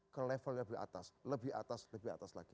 ke level lebih atas lebih atas lebih atas lagi